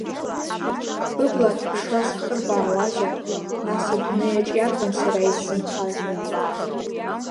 Быбла аҭаԥшра сахырбаауазар, нас адунеиаҿ иарбан сара исзынхаз?